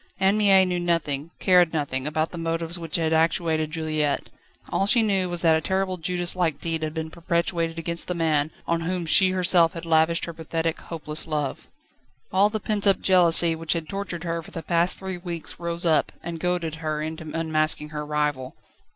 Anne Mie knew nothing, cared nothing, about the motives which had actuated Juliette; all she knew was that a terrible Judas like deed had been perpetrated against the man, on whom she herself had lavished her pathetic, hopeless love. All the pent up jealousy which had tortured her for the past three weeks rose up, and goaded her into unmasking her rival.